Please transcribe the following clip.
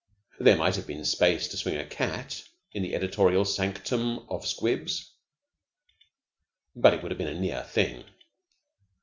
There might have been space to swing a cat in the editorial sanctum of 'Squibs,' but it would have been a near thing.